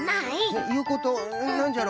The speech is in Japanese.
えっいうことなんじゃろ？